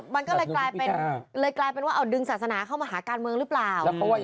มันก็เลยกลายเป็นเอาดึงศาสนาเข้ามาหาการเมืองหรือเปล่า